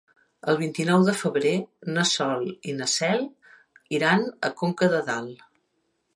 El vint-i-nou de febrer na Sol i na Cel iran a Conca de Dalt.